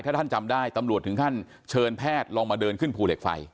ถ้าท่านจำได้ตำรวจถึงขั้นเชิญแพทย์ลองมาเดินขึ้นภูเหล็กไฟ